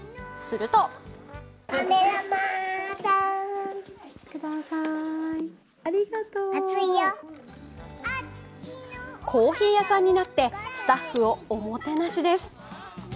するとコーヒー屋さんになってスタッフをおもてなしです。